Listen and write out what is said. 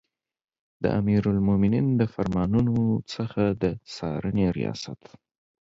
د امیرالمؤمنین د فرمانونو څخه د څارنې ریاست